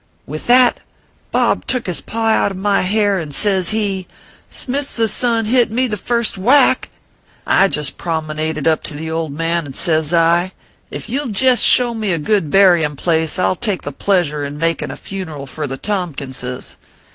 " With that, Bob took his paw out of my hair, and sez he : Smithses son hit me the first whack. I jest promenaded up to the old man, and sez I : If you ll jest show me a good buryin place, I ll take pleasure in makin a funeral for the Tompkinses.